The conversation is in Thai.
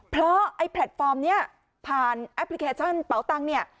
เพราะไอ้แพลตฟอร์มนี้ผ่านแอปพลิเคชันเป๋าตังค์เนี่ย